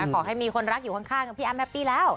ขอให้มีคนรักอยู่ข้างกับพี่อ้ำนับปีแล้ว